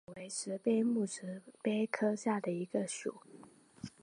驼石鳖属为石鳖目石鳖科下的一个属。